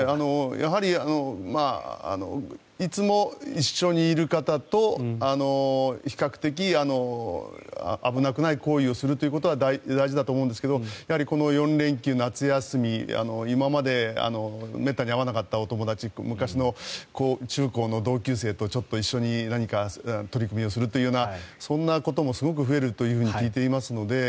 やはりいつも一緒にいる方と比較的、危なくない行為をするということは大事だと思うんですがやはりこの４連休、夏休み今までめったに会わなかったお友達昔の中高の同級生と一緒に取り組みをするというようなそんなこともすごく増えると聞いていますので